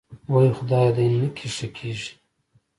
وۍ خدای دې نکي ښه کېږې.